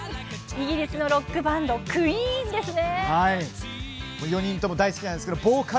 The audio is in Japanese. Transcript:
イギリスのロックバンドクイーンですよね。